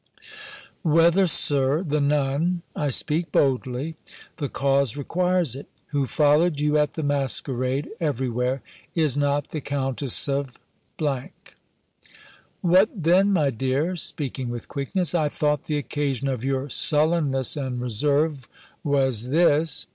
"Whether, Sir, the Nun I speak boldly; the cause requires it who followed you at the Masquerade every where, is not the Countess of ?" "What then, my dear:" (speaking with quickness,) "I thought the occasion of your sullenness and reserve was this!